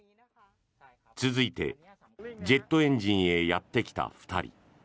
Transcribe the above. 続いてジェットエンジンへやってきた２人。